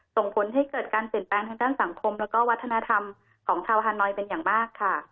ส่งผลให้เกิดการเปลี่ยนแปลงทางด้านสังคมแล้วก็วัฒนธรรมของชาวฮานอยเป็นอย่างมากค่ะ